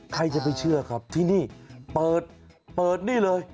ใครจะไปเชื่อครับที่นี่เปิดเปิดนี่เลย